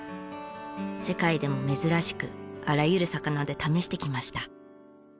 世界でも珍しくあらゆる魚で試してきました。